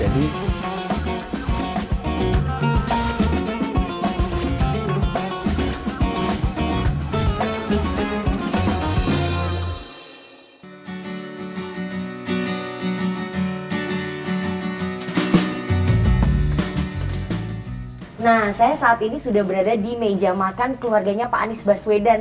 nah saya saat ini sudah berada di meja makan keluarganya pak anies baswedan